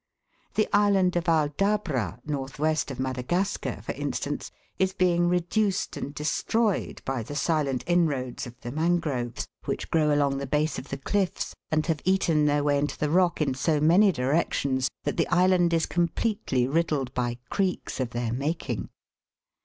The island of Aldabra, north west of Madagascar, for instance, is being reduced and destroyed by the silent inroads of the mangroves, which grow along the base of the cliffs and have eaten their way into the rock in so many directions that the island is completely riddled by creeks of their making.